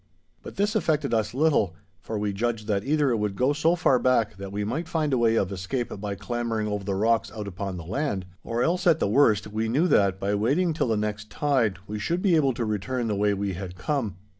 But this affected us little, for we judged that either it would go so far back that we might find a way of escape by clambering over the rocks out upon the land; or else, at the worst, we knew that, by waiting till the next tide, we should be able to return the way we had come.